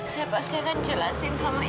saya pasti akan jelasin sama ibu